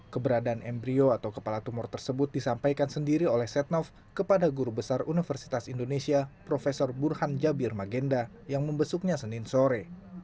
keberadaan embryo atau kepala tumor tersebut disampaikan sendiri oleh setnov kepada guru besar universitas indonesia prof burhan jabir magenda yang membesuknya senin sore